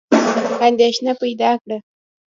اندېښنه پیدا کړه.